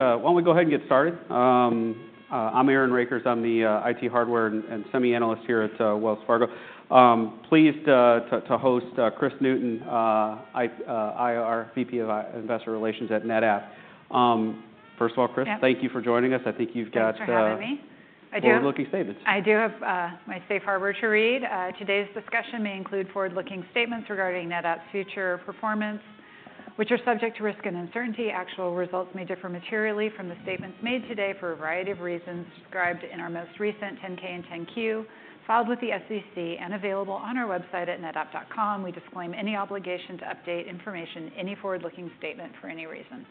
Why don't we go ahead and get started? I'm Aaron Rakers. I'm the IT hardware and semiconductor analyst here at Wells Fargo. Pleased to host Kris Newton, IR, VP of Investor Relations at NetApp. First of all, Kris, thank you for joining us. I think you've got... Thanks for having me. I do have... Forward-looking statements. I do have my safe harbor to read. Today's discussion may include forward-looking statements regarding NetApp's future performance, which are subject to risk and uncertainty. Actual results may differ materially from the statements made today for a variety of reasons described in our most recent 10-K and 10-Q, filed with the SEC and available on our website at netapp.com. We disclaim any obligation to update information, any forward-looking statement for any reason.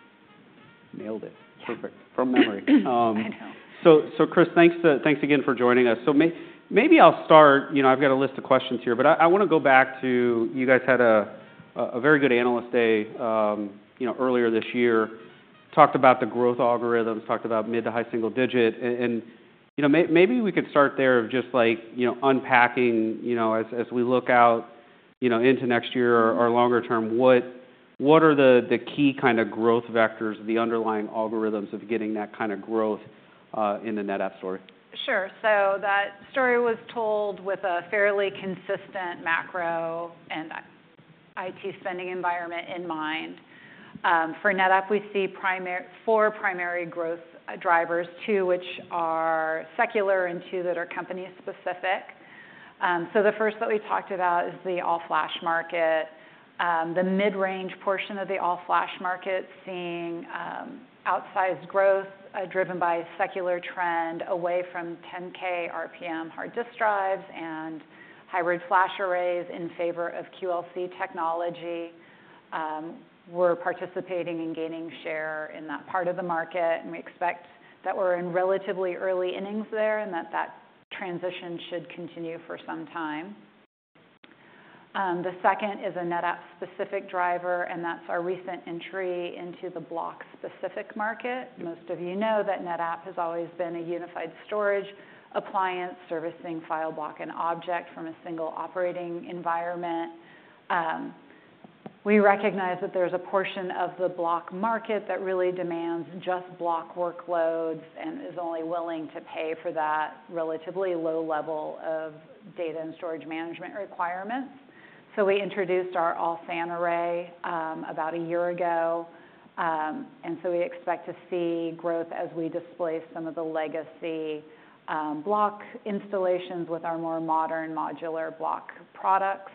Nailed it. Perfect. From memory. I know. So, Kris, thanks again for joining us. So maybe I'll start. I've got a list of questions here, but I want to go back to you guys had a very good analyst day earlier this year, talked about the growth algorithms, talked about mid- to high-single-digit. And maybe we could start there of just unpacking as we look out into next year or longer term, what are the key kind of growth vectors, the underlying algorithms of getting that kind of growth in the NetApp story? Sure. So that story was told with a fairly consistent macro and IT spending environment in mind. For NetApp, we see four primary growth drivers, two of which are secular and two that are company-specific. So the first that we talked about is the all-flash market. The mid-range portion of the all-flash market, seeing outsized growth driven by a secular trend away from 10K RPM hard disk drives and hybrid flash arrays in favor of QLC technology. We're participating in gaining share in that part of the market, and we expect that we're in relatively early innings there and that that transition should continue for some time. The second is a NetApp-specific driver, and that's our recent entry into the block-specific market. Most of you know that NetApp has always been a unified storage appliance servicing file, block, and object from a single operating environment. We recognize that there's a portion of the block market that really demands just block workloads and is only willing to pay for that relatively low level of data and storage management requirements, so we introduced our all-flash array about a year ago, and so we expect to see growth as we displace some of the legacy block installations with our more modern modular block products.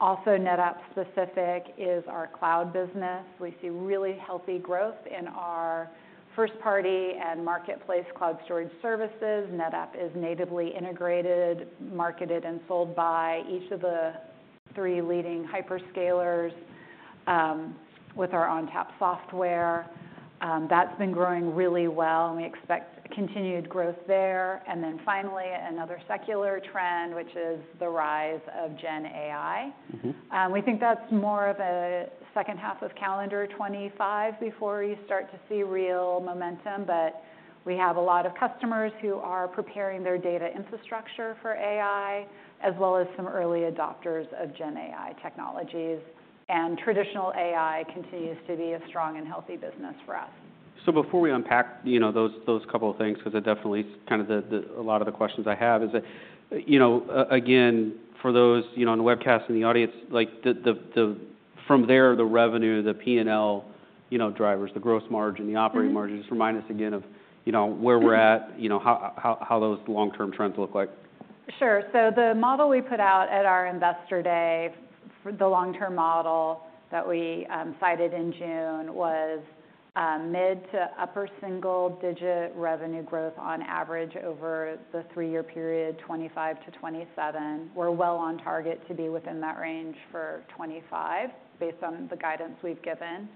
Also, NetApp-specific is our cloud business. We see really healthy growth in our first-party and marketplace cloud storage services. NetApp is natively integrated, marketed, and sold by each of the three leading hyperscalers with our ONTAP software. That's been growing really well, and we expect continued growth there, and then finally, another secular trend, which is the rise of GenAI. We think that's more of the second half of calendar 2025 before you start to see real momentum. But we have a lot of customers who are preparing their data infrastructure for AI, as well as some early adopters of GenAI technologies. And traditional AI continues to be a strong and healthy business for us. So, before we unpack those couple of things, because they're definitely kind of a lot of the questions I have, is that, again, for those on the webcast in the audience, from there, the revenue, the P&L drivers, the gross margin, the operating margin. Just remind us again of where we're at, how those long-term trends look like. Sure. So the model we put out at our investor day, the long-term model that we cited in June, was mid- to upper single-digit revenue growth on average over the three-year period 2025 to 2027. We're well on target to be within that range for 2025, based on the guidance we've given.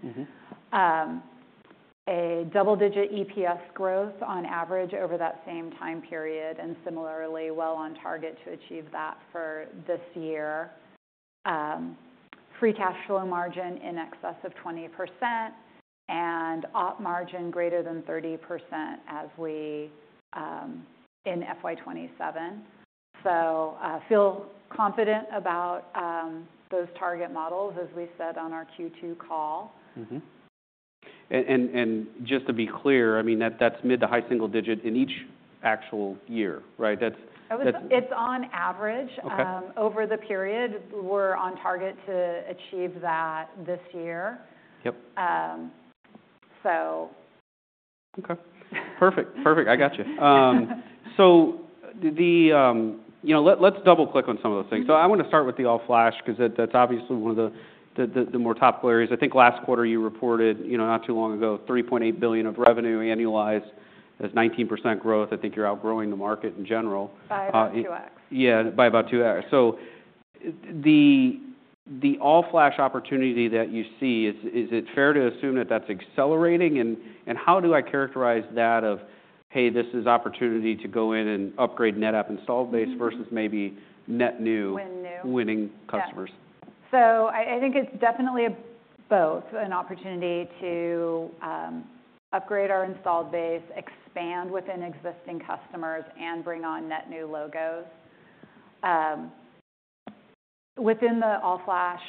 A double-digit EPS growth on average over that same time period, and similarly, well on target to achieve that for this year. Free cash flow margin in excess of 20% and Op margin greater than 30% as we in FY 2027, so feel confident about those target models, as we said on our Q2 call. Just to be clear, I mean, that's mid- to high-single-digit in each actual year, right? It's on average over the period. We're on target to achieve that this year. Yep. So. Okay. Perfect. Perfect. I got you. So let's double-click on some of those things. So I want to start with the all-flash because that's obviously one of the more topical areas. I think last quarter you reported not too long ago, $3.8 billion of revenue annualized as 19% growth. I think you're outgrowing the market in general. By about 2X. Yeah, by about 2X. So the all-flash opportunity that you see, is it fair to assume that that's accelerating? And how do I characterize that of, hey, this is opportunity to go in and upgrade NetApp installed base versus maybe net new. Win new. Winning customers? I think it's definitely both an opportunity to upgrade our installed base, expand within existing customers, and bring on net new logos. Within the all-flash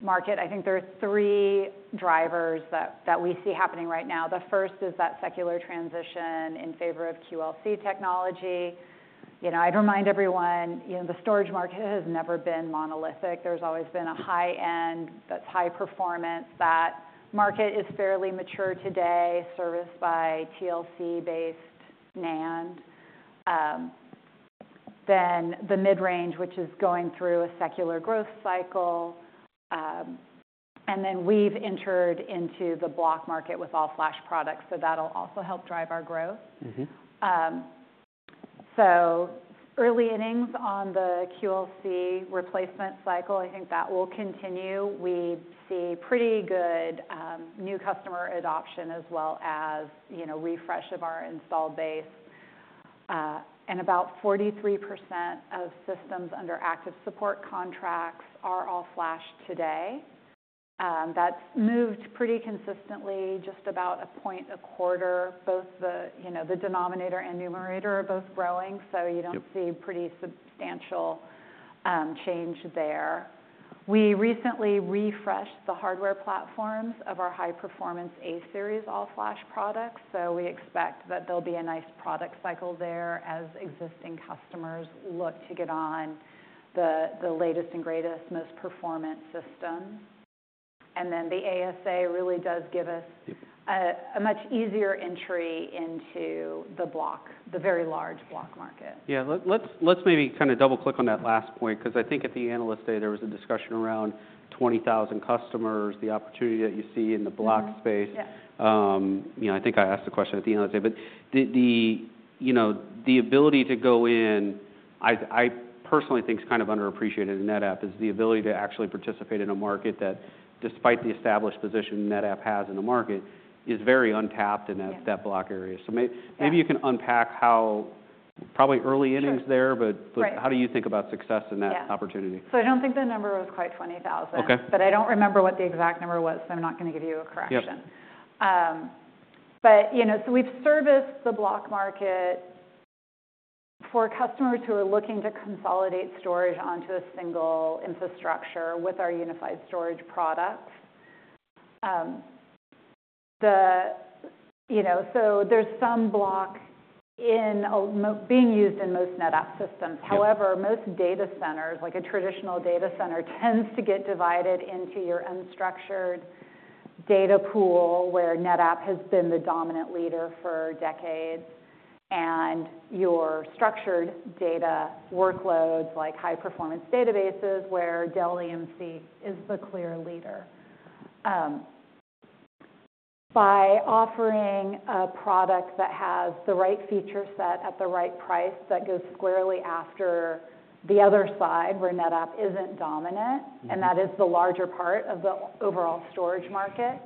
market, I think there are three drivers that we see happening right now. The first is that secular transition in favor of QLC technology. I'd remind everyone, the storage market has never been monolithic. There's always been a high-end that's high performance. That market is fairly mature today, serviced by TLC-based NAND. Then the mid-range, which is going through a secular growth cycle. Then we've entered into the block market with all-flash products, so that'll also help drive our growth. Early innings on the QLC replacement cycle, I think that will continue. We see pretty good new customer adoption as well as refresh of our installed base. About 43% of systems under active support contracts are all-flash today. That's moved pretty consistently, just about a point a quarter. Both the denominator and numerator are both growing, so you don't see pretty substantial change there. We recently refreshed the hardware platforms of our high-performance A-Series all-flash products, so we expect that there'll be a nice product cycle there as existing customers look to get on the latest and greatest, most performant systems. And then the ASA really does give us a much easier entry into the block, the very large block market. Yeah. Let's maybe kind of double-click on that last point because I think at the analyst day, there was a discussion around 20,000 customers, the opportunity that you see in the block space. I think I asked the question at the end of the day, but the ability to go in, I personally think is kind of underappreciated in NetApp, is the ability to actually participate in a market that, despite the established position NetApp has in the market, is very untapped in that block area. So maybe you can unpack how probably early innings there, but how do you think about success in that opportunity? So I don't think the number was quite 20,000, but I don't remember what the exact number was, so I'm not going to give you a correction. But so we've serviced the block market for customers who are looking to consolidate storage onto a single infrastructure with our unified storage products. So there's some block being used in most NetApp systems. However, most data centers, like a traditional data center, tends to get divided into your unstructured data pool where NetApp has been the dominant leader for decades and your structured data workloads like high-performance databases where Dell EMC is the clear leader. By offering a product that has the right feature set at the right price that goes squarely after the other side where NetApp isn't dominant, and that is the larger part of the overall storage market,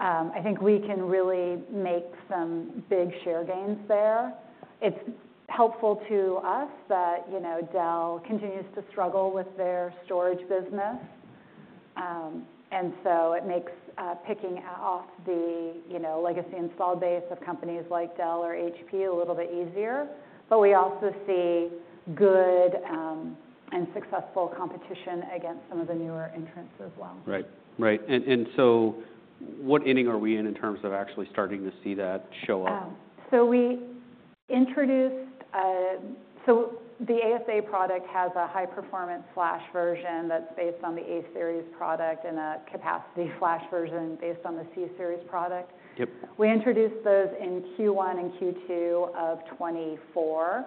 I think we can really make some big share gains there. It's helpful to us that Dell continues to struggle with their storage business, and so it makes picking off the legacy installed base of companies like Dell or HP a little bit easier. But we also see good and successful competition against some of the newer entrants as well. Right. Right, and so what inning are we in terms of actually starting to see that show up? So we introduced the ASA product, which has a high-performance flash version that's based on the A-Series product and a capacity flash version based on the C-Series product. We introduced those in Q1 and Q2 of 2024.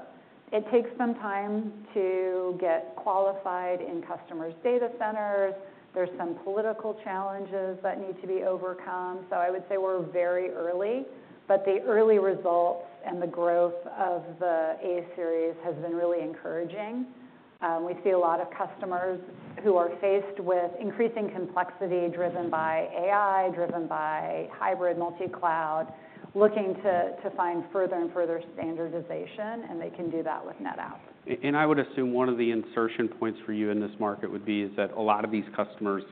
It takes some time to get qualified in customers' data centers. There's some political challenges that need to be overcome. So I would say we're very early, but the early results and the growth of the A-Series has been really encouraging. We see a lot of customers who are faced with increasing complexity driven by AI, driven by hybrid multi-cloud, looking to find further and further standardization, and they can do that with NetApp. I would assume one of the insertion points for you in this market would be is that a lot of these customers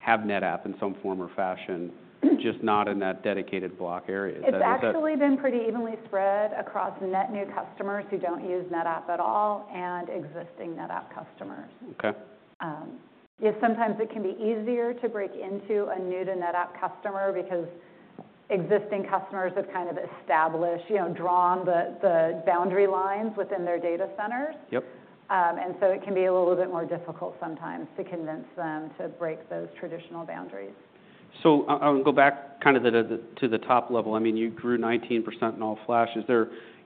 have NetApp in some form or fashion, just not in that dedicated block area. Is that exactly? It's actually been pretty evenly spread across net new customers who don't use NetApp at all and existing NetApp customers. Okay. Sometimes it can be easier to break into a new-to-NetApp customer because existing customers have kind of established, drawn the boundary lines within their data centers, and so it can be a little bit more difficult sometimes to convince them to break those traditional boundaries. So I'll go back kind of to the top level. I mean, you grew 19% in all-flash.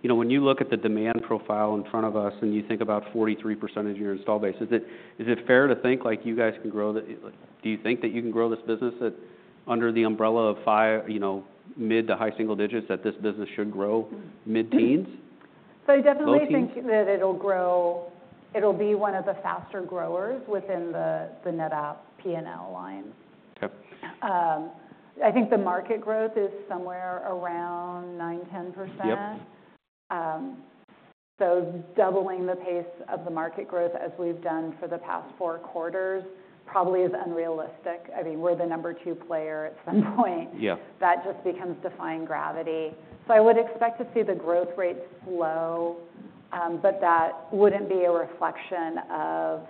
When you look at the demand profile in front of us and you think about 43% of your install base, is it fair to think you guys can grow? Do you think that you can grow this business under the umbrella of mid to high single digits that this business should grow mid-teens? So I definitely think that it'll grow. It'll be one of the faster growers within the NetApp P&L line. I think the market growth is somewhere around 9-10%. So doubling the pace of the market growth as we've done for the past four quarters probably is unrealistic. I mean, we're the number two player at some point. That just becomes defying gravity. So I would expect to see the growth rate slow, but that wouldn't be a reflection of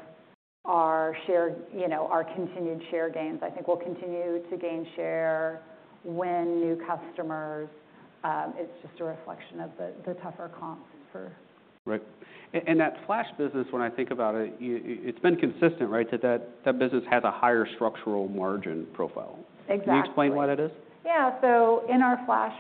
our continued share gains. I think we'll continue to gain share when new customers. It's just a reflection of the tougher comps for. Right. And that flash business, when I think about it, it's been consistent, right, that that business has a higher structural margin profile. Exactly. Can you explain why that is? Yeah, so in our flash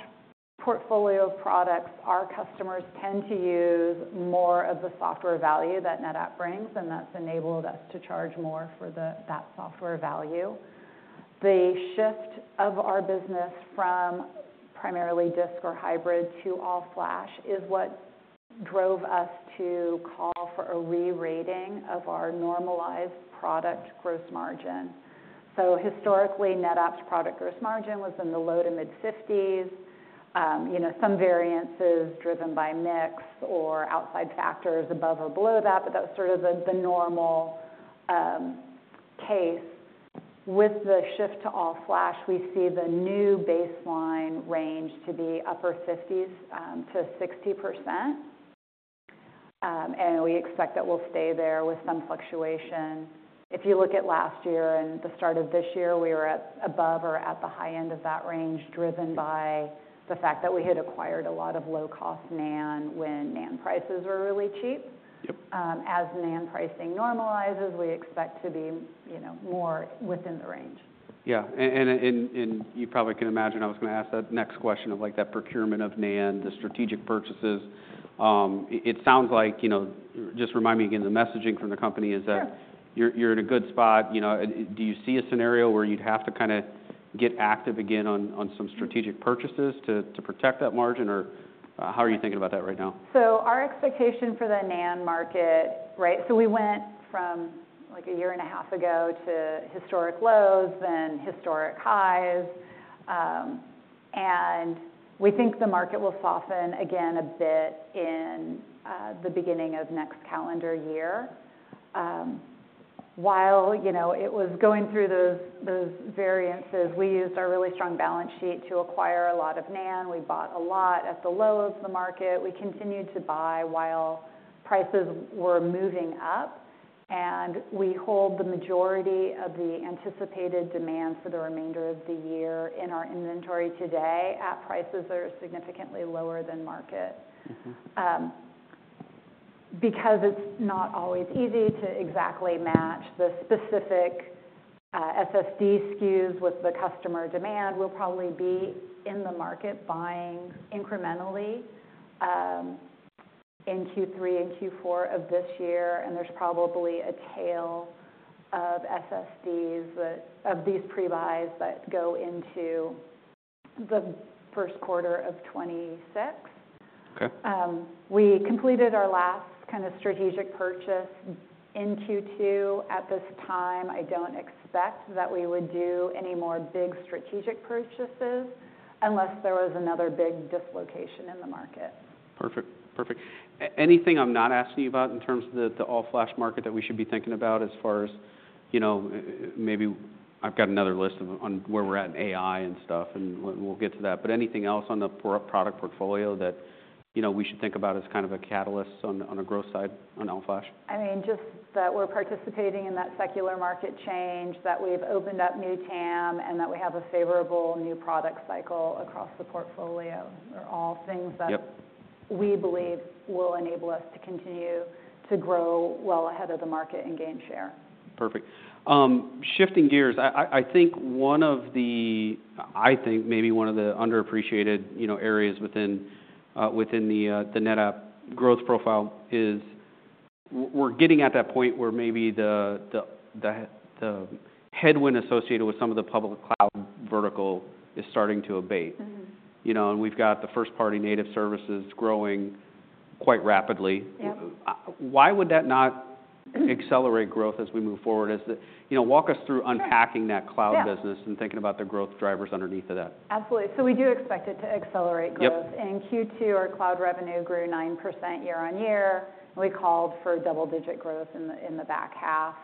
portfolio of products, our customers tend to use more of the software value that NetApp brings, and that's enabled us to charge more for that software value. The shift of our business from primarily disk or hybrid to all-flash is what drove us to call for a re-rating of our normalized product gross margin. So historically, NetApp's product gross margin was in the low- to mid-50s%. Some variances driven by mix or outside factors above or below that, but that was sort of the normal case. With the shift to all-flash, we see the new baseline range to be upper 50s% to 60%, and we expect that we'll stay there with some fluctuation. If you look at last year and the start of this year, we were above or at the high end of that range driven by the fact that we had acquired a lot of low-cost NAND when NAND prices were really cheap. As NAND pricing normalizes, we expect to be more within the range. Yeah. And you probably can imagine I was going to ask that next question about that procurement of NAND, the strategic purchases. It sounds like, just remind me again, the messaging from the company is that you're in a good spot. Do you see a scenario where you'd have to kind of get active again on some strategic purchases to protect that margin, or how are you thinking about that right now? So our expectation for the NAND market, right, so we went from like a year and a half ago to historic lows, then historic highs. And we think the market will soften again a bit in the beginning of next calendar year. While it was going through those variances, we used our really strong balance sheet to acquire a lot of NAND. We bought a lot at the low of the market. We continued to buy while prices were moving up. And we hold the majority of the anticipated demand for the remainder of the year in our inventory today at prices that are significantly lower than market. Because it's not always easy to exactly match the specific SSD SKUs with the customer demand, we'll probably be in the market buying incrementally in Q3 and Q4 of this year. There's probably a tail of SSDs of these prebuys that go into the first quarter of 2026. We completed our last kind of strategic purchase in Q2. At this time, I don't expect that we would do any more big strategic purchases unless there was another big dislocation in the market. Perfect. Perfect. Is there Anything I'm not asking you about in terms of the all-flash market that we should be thinking about I have another list on AI and stuff, and we'll get to that? But anything else on the product portfolio that we should think about as kind of a catalyst on a growth side on all-flash? I mean, just that we're participating in that secular market change, that we've opened up new TAM, and that we have a favorable new product cycle across the portfolio are all things that we believe will enable us to continue to grow well ahead of the market and gain share. Perfect. Shifting gears, I think maybe one of the underappreciated areas within the NetApp growth profile is we're getting at that point where maybe the headwind associated with some of the public cloud vertical is starting to abate, and we've got the first-party native services growing quite rapidly. Why would that not accelerate growth as we move forward? Walk us through unpacking that cloud business and thinking about the growth drivers underneath of that. Absolutely. So we do expect it to accelerate growth. In Q2, our cloud revenue grew 9% year on year. We called for double-digit growth in the back half.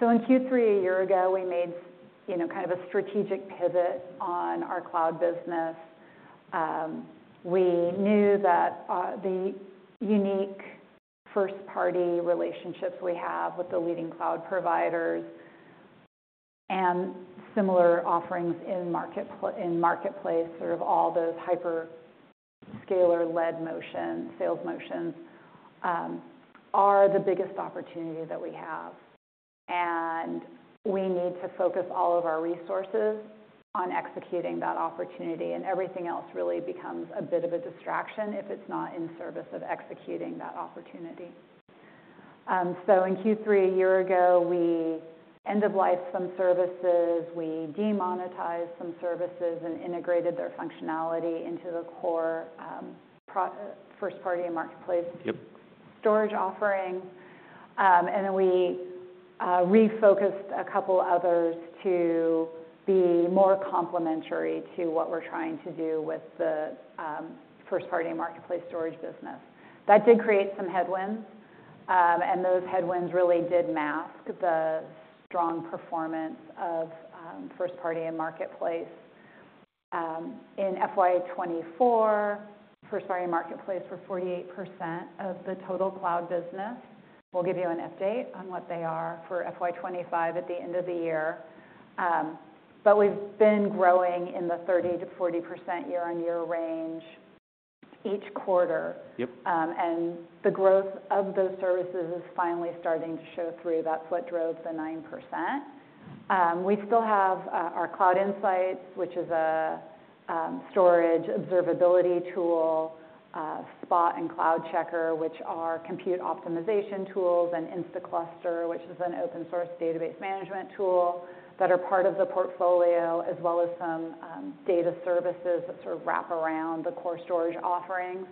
So in Q3 a year ago, we made kind of a strategic pivot on our cloud business. We knew that the unique first-party relationships we have with the leading cloud providers and similar offerings in marketplace, sort of all those hyperscaler-led sales motions are the biggest opportunity that we have. And we need to focus all of our resources on executing that opportunity, and everything else really becomes a bit of a distraction if it's not in service of executing that opportunity. So in Q3 a year ago, we end-of-life some services. We demonetized some services and integrated their functionality into the core first-party marketplace storage offering. Then we refocused a couple others to be more complementary to what we're trying to do with the first-party marketplace storage business. That did create some headwinds, and those headwinds really did mask the strong performance of first-party and marketplace. In FY24, first-party marketplace were 48% of the total cloud business. We'll give you an update on what they are for FY25 at the end of the year. But we've been growing in the 30%-40% year-on-year range each quarter. And the growth of those services is finally starting to show through. That's what drove the 9%. We still have our Cloud Insights, which is a storage observability tool, Spot and CloudCheckr, which are compute optimization tools, and Instaclustr, which is an open-source database management tool that are part of the portfolio, as well as some data services that sort of wrap around the core storage offerings.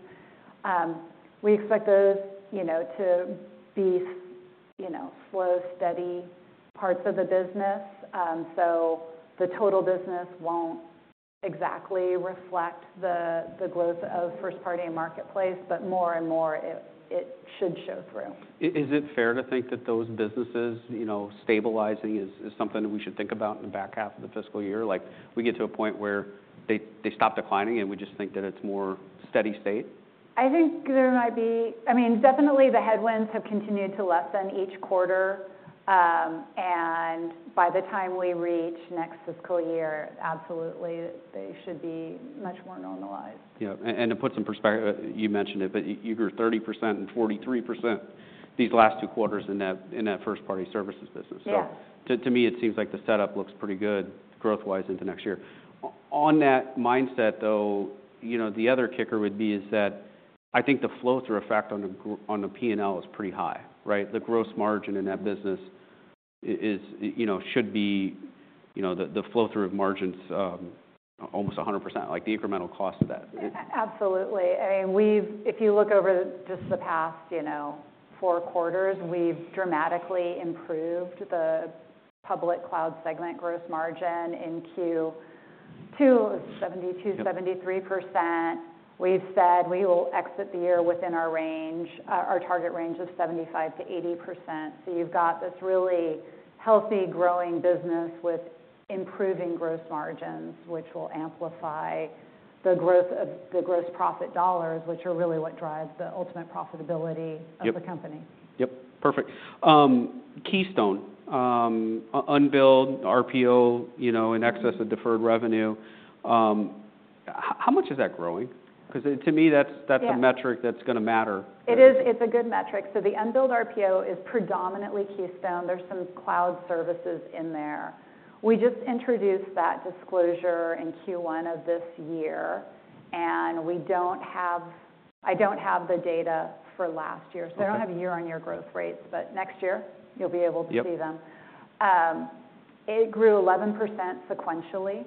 We expect those to be slow, steady parts of the business. So the total business won't exactly reflect the growth of first-party and marketplace, but more and more it should show through. Is it fair to think that those businesses stabilizing is something that we should think about in the back half of the fiscal year? We get to a point where they stop declining, and we just think that it's more steady state? I think there might be. I mean, definitely the headwinds have continued to lessen each quarter, and by the time we reach next fiscal year, absolutely they should be much more normalized. Yeah. And to put some perspective, you mentioned it, but you grew 30% and 43% these last two quarters in that first-party services business. So to me, it seems like the setup looks pretty good growth-wise into next year. On that mindset, though, the other kicker would be is that I think the flow-through effect on a P&L is pretty high, right? The gross margin in that business should be the flow-through of margins almost 100%, like the incremental cost of that. Absolutely. I mean, if you look over just the past four quarters, we've dramatically improved the public cloud segment gross margin in Q2, 72%-73%. We've said we will exit the year within our target range of 75%-80%. So you've got this really healthy growing business with improving gross margins, which will amplify the growth of the gross profit dollars, which are really what drive the ultimate profitability of the company. Yep. Perfect. Keystone unbilled RPO in excess of deferred revenue. How much is that growing? Because to me, that's a metric that's going to matter. It is. It's a good metric. So the Unbilled RPO is predominantly Keystone. There's some cloud services in there. We just introduced that disclosure in Q1 of this year, and I don't have the data for last year. So I don't have year-on-year growth rates, but next year you'll be able to see them. It grew 11% sequentially.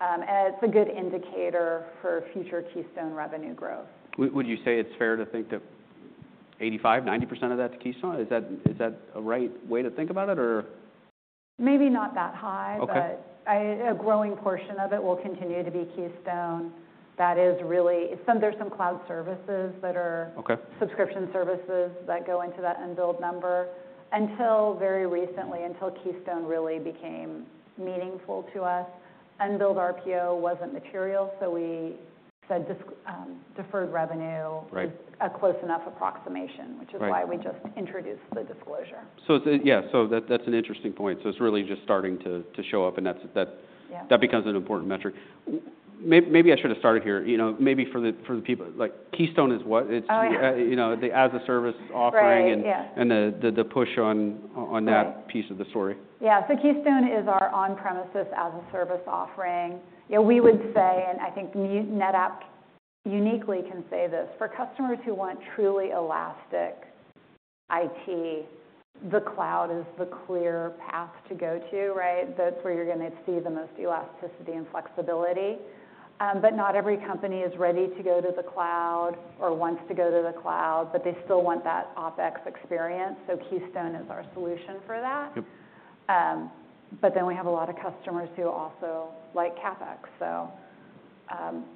And it's a good indicator for future Keystone revenue growth. Would you say it's fair to think that 85%-90% of that's Keystone? Is that a right way to think about it, or? Maybe not that high, but a growing portion of it will continue to be Keystone. That is really there's some cloud services that are subscription services that go into that Unbilled number. Until very recently, until Keystone really became meaningful to us, Unbilled RPO wasn't material. So we said deferred revenue is a close enough approximation, which is why we just introduced the disclosure. So yeah, so that's an interesting point. So it's really just starting to show up, and that becomes an important metric. Maybe I should have started here. Maybe for the people, Keystone is what? It's the as-a-service offering and the push on that piece of the story? Yeah. So Keystone is our on-premises as-a-service offering. We would say, and I think NetApp uniquely can say this, for customers who want truly elastic IT, the cloud is the clear path to go to, right? That's where you're going to see the most elasticity and flexibility. But not every company is ready to go to the cloud or wants to go to the cloud, but they still want that OpEx experience. So Keystone is our solution for that. But then we have a lot of customers who also like CapEx. So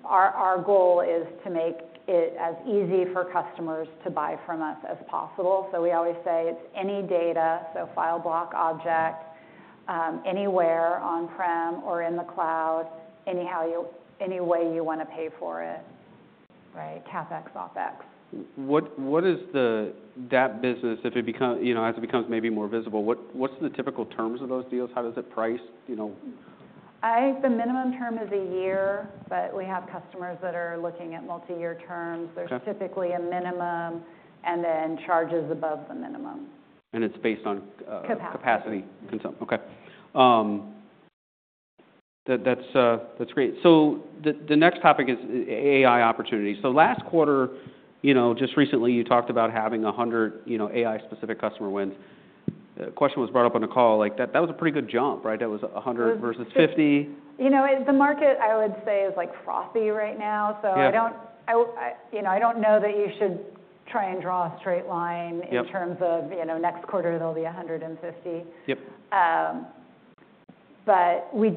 our goal is to make it as easy for customers to buy from us as possible. So we always say it's any data, so file block, object, anywhere on-prem or in the cloud, any way you want to pay for it, right? CapEx, OpEx. What is the DAP business as it becomes maybe more visible, what's the typical terms of those deals? How does it price? I think the minimum term is a year, but we have customers that are looking at multi-year terms. There's typically a minimum and then charges above the minimum. It's based on capacity. Capacity. Okay. That's great. So the next topic is AI opportunities. So last quarter, just recently, you talked about having 100 AI-specific customer wins. The question was brought up on a call. That was a pretty good jump, right? That was 100 versus 50. The market, I would say, is like frothy right now. So I don't know that you should try and draw a straight line in terms of next quarter there'll be 150. But we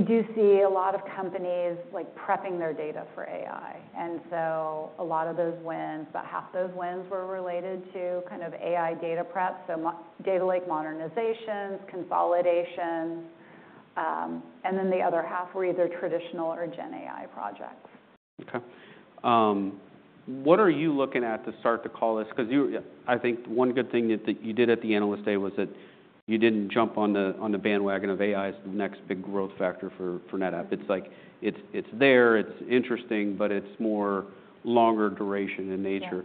do see a lot of companies prepping their data for AI. And so a lot of those wins, about half those wins were related to kind of AI data prep, so data lake modernizations, consolidations. And then the other half were either traditional or GenAI projects. Okay. What are you looking at to start the call list? Because I think one good thing that you did at the analyst day was that you didn't jump on the bandwagon of AI as the next big growth factor for NetApp. It's like it's there, it's interesting, but it's more longer duration in nature.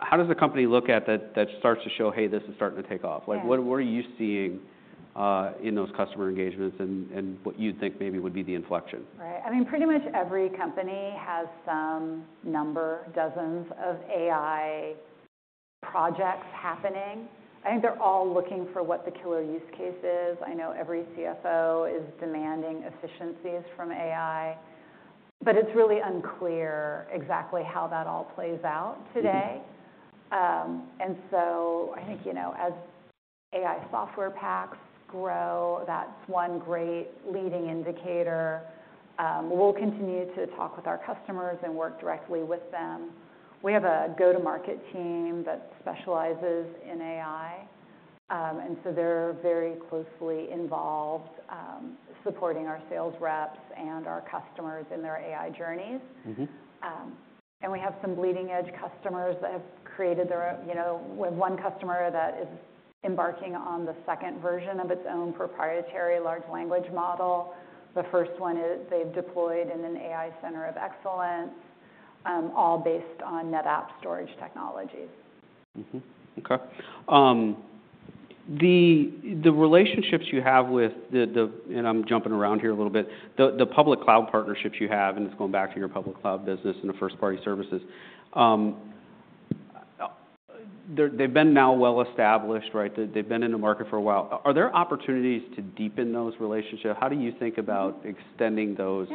How does the company look at that starts to show, "Hey, this is starting to take off"? What are you seeing in those customer engagements and what you'd think maybe would be the inflection? Right. I mean, pretty much every company has some number, dozens of AI projects happening. I think they're all looking for what the killer use case is. I know every CFO is demanding efficiencies from AI, but it's really unclear exactly how that all plays out today. And so I think as AI software packs grow, that's one great leading indicator. We'll continue to talk with our customers and work directly with them. We have a go-to-market team that specializes in AI. And so they're very closely involved supporting our sales reps and our customers in their AI journeys. And we have some bleeding-edge customers that have created their own. We have one customer that is embarking on the second version of its own proprietary large language model. The first one they've deployed in an AI center of excellence, all based on NetApp storage technologies. Okay. The relationships you have with the, and I'm jumping around here a little bit, the public cloud partnerships you have, and it's going back to your public cloud business and the first-party services, they've been now well established, right? They've been in the market for a while. Are there opportunities to deepen those relationships? How do you think about extending those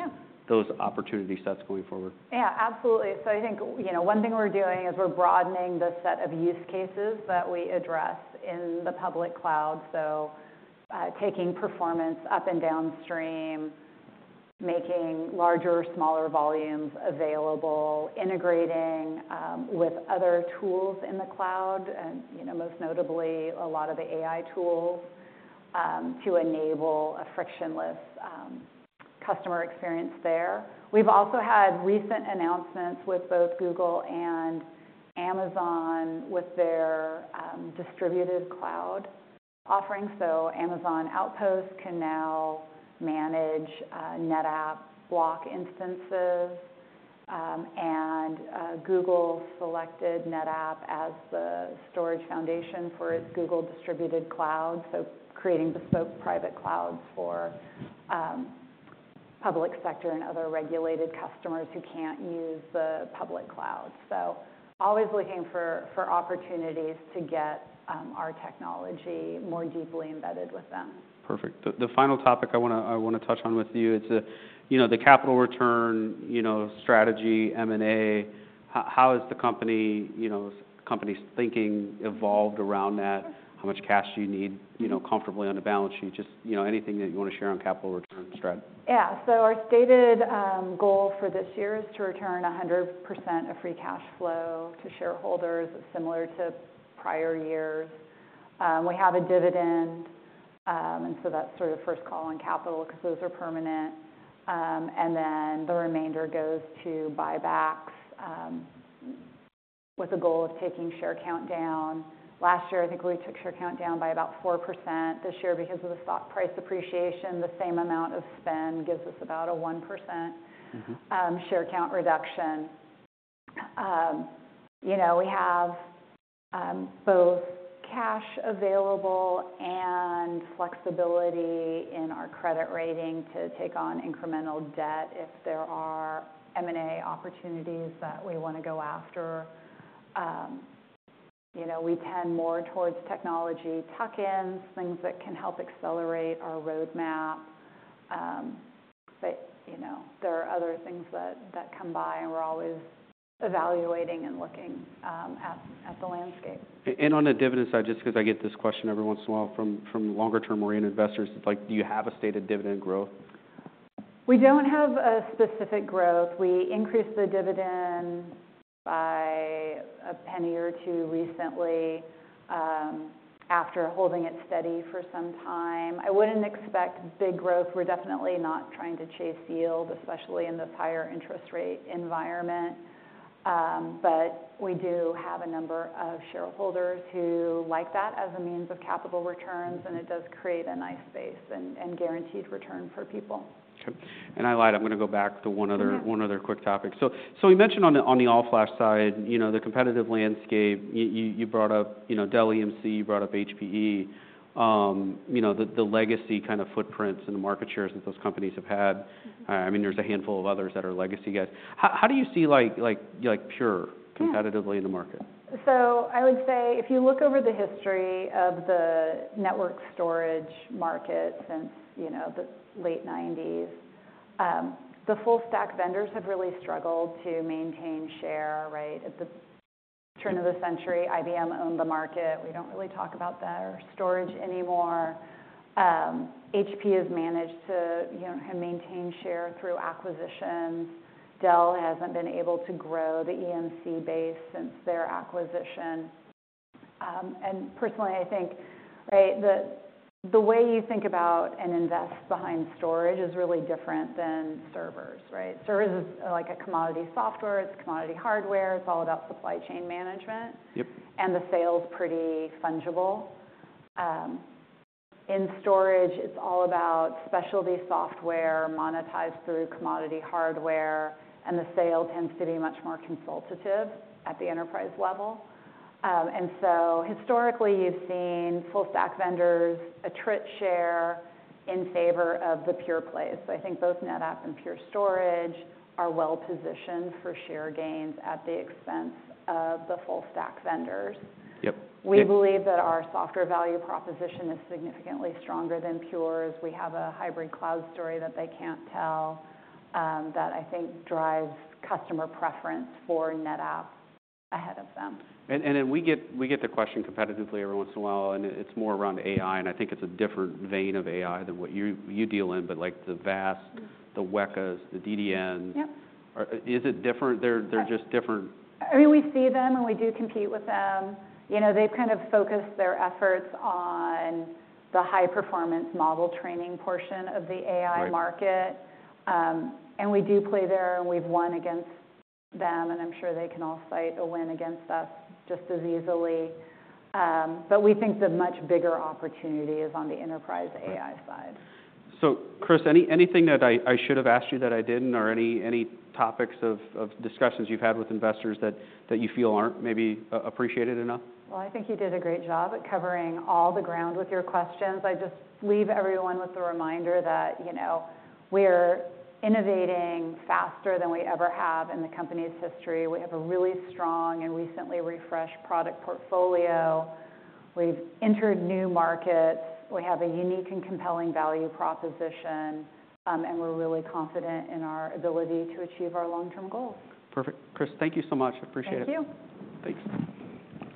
opportunity sets going forward? Yeah, absolutely. So I think one thing we're doing is we're broadening the set of use cases that we address in the public cloud. So taking performance up and downstream, making larger, smaller volumes available, integrating with other tools in the cloud, and most notably a lot of the AI tools to enable a frictionless customer experience there. We've also had recent announcements with both Google and Amazon with their distributed cloud offerings. So Amazon Outposts can now manage NetApp block instances, and Google selected NetApp as the storage foundation for its Google Distributed Cloud. So creating bespoke private clouds for public sector and other regulated customers who can't use the public cloud. So always looking for opportunities to get our technology more deeply embedded with them. Perfect. The final topic I want to touch on with you, it's the capital return strategy, M&A. How has the company's thinking evolved around that? How much cash do you need comfortably on the balance sheet? Just anything that you want to share on capital return strategy. Yeah. So our stated goal for this year is to return 100% of free cash flow to shareholders, similar to prior years. We have a dividend, and so that's sort of first call on capital because those are permanent. And then the remainder goes to buybacks with a goal of taking share count down. Last year, I think we took share count down by about 4%. This year, because of the stock price appreciation, the same amount of spend gives us about a 1% share count reduction. We have both cash available and flexibility in our credit rating to take on incremental debt if there are M&A opportunities that we want to go after. We tend more towards technology tuck-ins, things that can help accelerate our roadmap. But there are other things that come by, and we're always evaluating and looking at the landscape. And on the dividend side, just because I get this question every once in a while from longer-term oriented investors, it's like, do you have a stated dividend growth? We don't have a specific growth. We increased the dividend by a penny or two recently after holding it steady for some time. I wouldn't expect big growth. We're definitely not trying to chase yield, especially in this higher interest rate environment. But we do have a number of shareholders who like that as a means of capital returns, and it does create a nice space and guaranteed return for people. Okay, and I lied. I'm going to go back to one other quick topic, so you mentioned on the All Flash side, the competitive landscape. You brought up Dell EMC, you brought up HPE, the legacy kind of footprints and market shares that those companies have had. I mean, there's a handful of others that are legacy guys. How do you see Pure competitively in the market? I would say if you look over the history of the network storage market since the late '90s, the full-stack vendors have really struggled to maintain share, right? At the turn of the century, IBM owned the market. We don't really talk about their storage anymore. HP has managed to maintain share through acquisitions. Dell hasn't been able to grow the EMC base since their acquisition. And personally, I think, right, the way you think about and invest behind storage is really different than servers, right? Servers are like a commodity software. It's commodity hardware. It's all about supply chain management. And the sale is pretty fungible. In storage, it's all about specialty software monetized through commodity hardware. And the sale tends to be much more consultative at the enterprise level. And so historically, you've seen full-stack vendors erode share in favor of the pure plays. I think both NetApp and Pure Storage are well-positioned for share gains at the expense of the full-stack vendors. We believe that our software value proposition is significantly stronger than Pure's. We have a hybrid cloud story that they can't tell that I think drives customer preference for NetApp ahead of them. And then we get the question competitively every once in a while, and it's more around AI. And I think it's a different vein of AI than what you deal in, but like the VAST, the WEKAs, the DDNs. Is it different? They're just different? I mean, we see them, and we do compete with them. They've kind of focused their efforts on the high-performance model training portion of the AI market. And we do play there, and we've won against them. And I'm sure they can all fight a win against us just as easily. But we think the much bigger opportunity is on the enterprise AI side. So Kris, anything that I should have asked you that I didn't, or any topics of discussions you've had with investors that you feel aren't maybe appreciated enough? I think you did a great job at covering all the ground with your questions. I just leave everyone with the reminder that we're innovating faster than we ever have in the company's history. We have a really strong and recently refreshed product portfolio. We've entered new markets. We have a unique and compelling value proposition, and we're really confident in our ability to achieve our long-term goals. Perfect. Kris, thank you so much. I appreciate it. Thank you. Thanks.